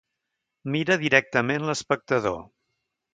Mira directament l'espectador.